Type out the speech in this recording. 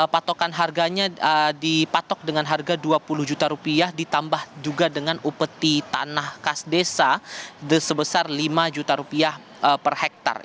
patokan harganya dipatok dengan harga dua puluh juta rupiah ditambah juga dengan upeti tanah kas desa sebesar lima juta rupiah per hektare